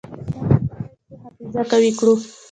څنګه کولای شو حافظه قوي کړو؟